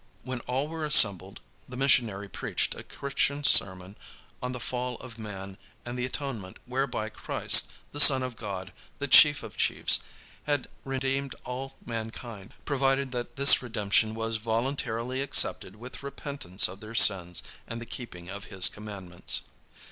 When all were assembled, the missionary preached a Christian sermon on the fall of man and the atonement whereby Christ, the Son of God, the Chief of chiefs, had redeemed all mankind, provided that this redemption was voluntarily accepted with repentance of their sins and the keeping of his commandments.